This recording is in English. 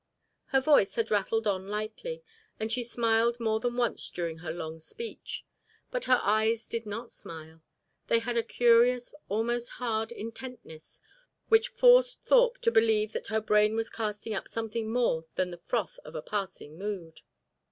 Her voice had rattled on lightly, and she smiled more than once during her long speech. But her eyes did not smile; they had a curious, almost hard, intentness which forced Thorpe to believe that her brain was casting up something more than the froth of a passing mood.